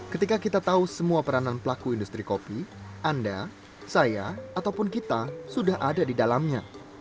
ketika kita tahu semua peranan pelaku industri kopi anda saya ataupun kita sudah ada di dalamnya